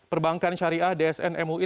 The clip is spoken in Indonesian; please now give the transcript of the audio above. perbankan syariah dsn mui